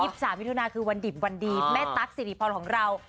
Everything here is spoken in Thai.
ยี่สิบสามมิถุนาคือวันดิบวันดีแม่ตั๊กสิริพรของเราค่ะ